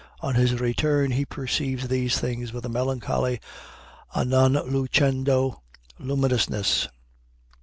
On his return he perceives these things with a melancholy a non lucendo luminousness.